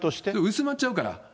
薄まっちゃうから。